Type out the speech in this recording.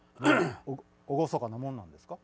厳かなもんなんですか？